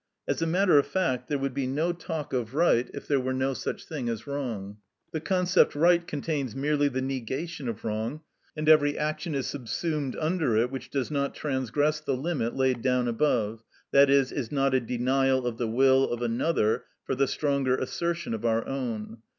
As a matter of fact, there would be no talk of right if there were no such thing as wrong. The concept right contains merely the negation of wrong, and every action is subsumed under it which does not transgress the limit laid down above, i.e., is not a denial of the will of another for the stronger assertion of our own.